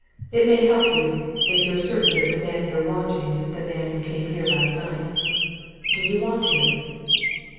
It may help you if you're certain that the man you're wanting is the man who came here last night. Do you want him?"